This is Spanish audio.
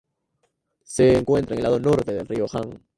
Se encuentra en el lado norte del Río Han.